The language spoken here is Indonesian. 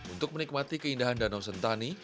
untuk menikmati keindahan danau sentani